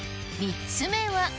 ３つ目は。